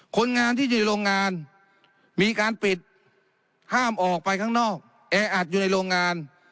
คนงานที่อยู่ในโรงงานมีการปิดห้ามออกไปข้างนอกแออัดอยู่ในโรงงาน